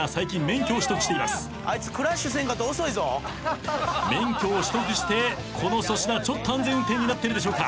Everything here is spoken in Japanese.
免許を取得してこの粗品ちょっと安全運転になっているでしょうか。